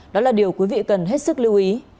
đó là điều quý vị cần hết sức lưu ý